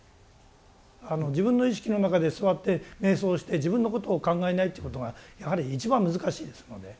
自分の意識の中で座って瞑想して自分のことを考えないってことがやはり一番難しいですので。